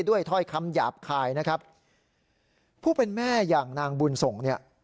ถ้อยคำหยาบคายนะครับผู้เป็นแม่อย่างนางบุญส่งเนี่ย